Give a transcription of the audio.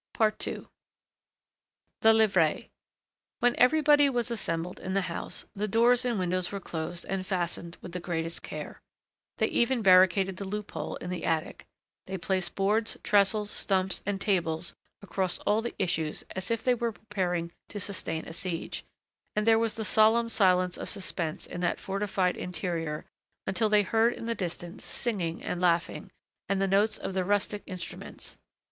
II THE LIVRÉES When everybody was assembled in the house, the doors and windows were closed and fastened with the greatest care; they even barricaded the loop hole in the attic; they placed boards, trestles, stumps, and tables across all the issues as if they were preparing to sustain a siege; and there was the solemn silence of suspense in that fortified interior until they heard in the distance singing and laughing, and the notes of the rustic instruments.